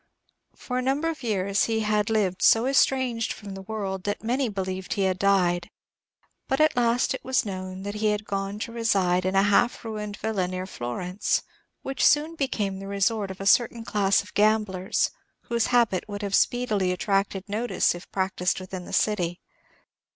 For a number of years he had lived so estranged from the world that many believed he had died; but at last it was known that he had gone to reside in a half ruined villa near Florence, which soon became the resort of a certain class of gamblers whose habits would have speedily attracted notice if practised within the city.